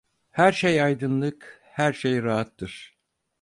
Her şey aydınlık, her şey rahattır.